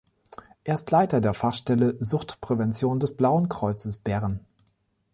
Er ist Leiter der Fachstelle Suchtprävention des Blauen Kreuzes Bern.